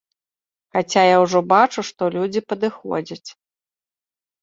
Хаця я ўжо бачу, што людзі падыходзяць.